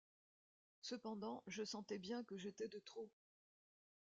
Cependant je sentais bien que j’étais de trop.